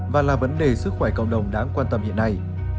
và là vấn đề sức khỏe cộng đồng đáng quan tâm hiện nay